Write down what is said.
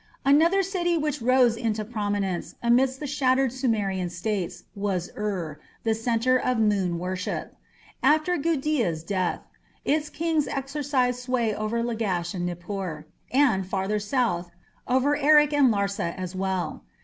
Another city which also rose into prominence, amidst the shattered Sumerian states, was Ur, the centre of moon worship. After Gudea's death, its kings exercised sway over Lagash and Nippur, and, farther south, over Erech and Larsa as well.